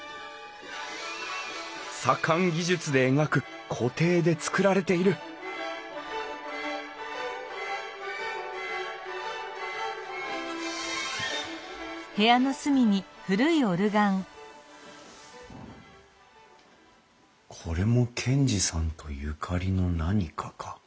左官技術で描く鏝絵で作られているこれも賢治さんとゆかりの何かか？